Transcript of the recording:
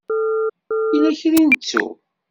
Yella kra i nettu.